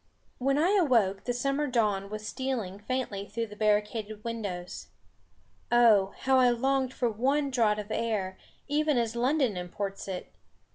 When I awoke, the summer dawn was stealing faintly through the barricaded windows. Oh! how I longed for one draught of air, even as London imports it!